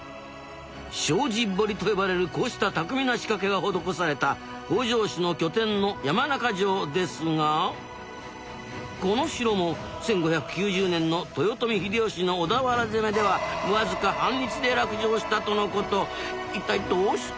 障子掘と呼ばれるこうした巧みな仕掛けが施された北条氏の拠点の山中城ですがこの城も１５９０年の豊臣秀吉の小田原攻めでは僅か一体どうして？